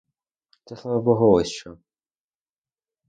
Це слава богу — ось що!